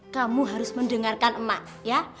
kamu harus mendengarkan emak ya